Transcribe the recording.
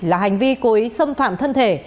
là hành vi cô ấy xâm phạm thân thể